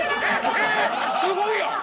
すごいやん！